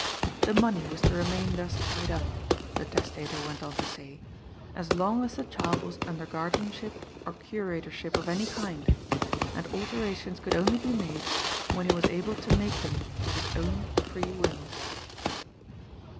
The money was to remain thus tied up, the testator went on to say, as long as the child was under guardianship or curatorship of any kind, and alterations could only be made, when he was able to make them of his own free will.